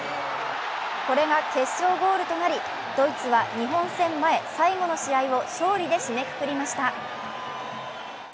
これが決勝ゴールとなりドイツは日本戦前最後の試合を勝利で締めくくりました。